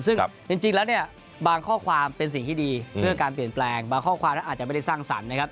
ซึ่งจริงแล้วเนี่ยบางข้อความเป็นสิ่งที่ดีเพื่อการเปลี่ยนแปลงบางข้อความนั้นอาจจะไม่ได้สร้างสรรค์นะครับ